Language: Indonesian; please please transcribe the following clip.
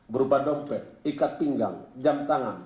berupa dompet ikat pinggang jam tangan